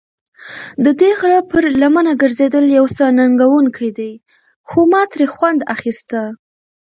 ددې غره پر لمنه ګرځېدل یو څه ننګوونکی دی، خو ما ترې خوند اخیسته.